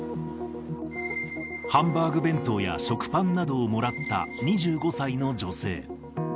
ハンバーグ弁当や食パンなどをもらった、２５歳の女性。